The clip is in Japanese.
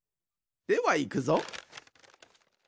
ではいくぞ。